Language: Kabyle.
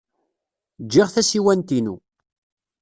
Ǧǧiɣ tasiwant-inu.